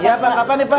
iya pak kapan nih pak